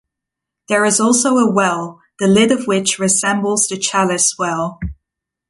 There is also a well, the lid of which resembles the Chalice Well.